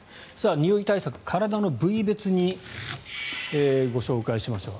におい対策、体の部位別にご紹介しましょう。